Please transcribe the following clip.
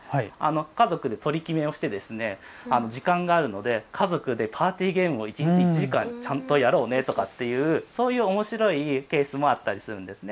家族で取り決めをしてですね時間があるので家族でパーティーゲームを１日１時間ちゃんとやろうねっていうおもしろいケースもあったりするんですね。